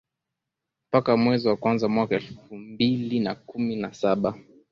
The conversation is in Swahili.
mpaka mwezi wa kwanza mwaka elfu mbili na kumi na saba